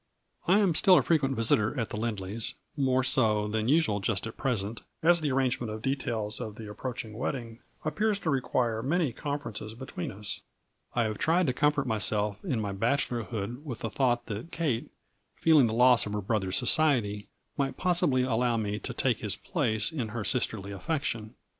I am still a frequent visitor at the Lindley's, more so than usual just at present, as the ar rangement of details of the approaching wed ding appears to require many conferences be tween us. I have tried to comfort myself in my bachelor hood with the thought that Kate, feeling the loss of her brother's society, might possibly allow me to take his place in her sisterly affection.